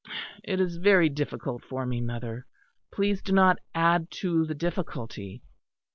It is very difficult for me, mother; please do not add to the difficulty."